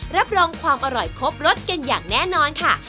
รับรองความอร่อยครบรสกันอย่างแน่นอนค่ะ